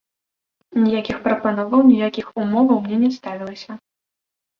Ніякіх прапановаў, ніякіх умоваў мне не ставілася.